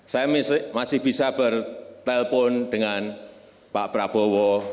saya masih bisa bertelpon dengan pak prabowo